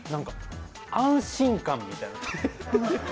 安心感みたいな？